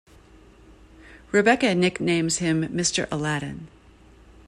Rebecca nicknames him "Mr. Aladdin".